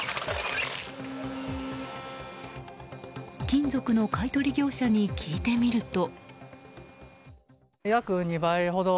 金属の買い取り業者に聞いてみると。